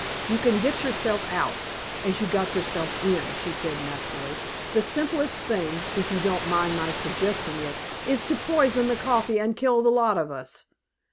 You can get yourself out, as you got yourself in," she said nastily. "The simplest thing, if you don't mind my suggesting it, is to poison the coffee and kill the lot of us.